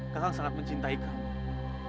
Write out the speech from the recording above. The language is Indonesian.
kakang sangat mencintai kau